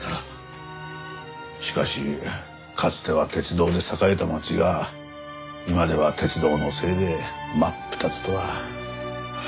しかしかつては鉄道で栄えた町が今では鉄道のせいで真っ二つとは。